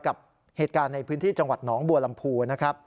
กับเหตุการณ์ในพื้นที่จังหวัดหนองบัวลำพูนะครับ